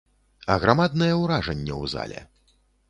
Аграмаднае ўражанне ў зале.